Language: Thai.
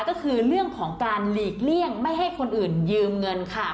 ก็คือเรื่องของการหลีกเลี่ยงไม่ให้คนอื่นยืมเงินค่ะ